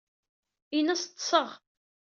Ini-as ḍḍseɣ.